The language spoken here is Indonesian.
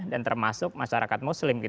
dan termasuk masyarakat muslim